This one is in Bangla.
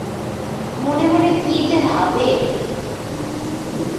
মনে মনে কি যেব ভাবে।